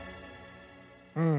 うん。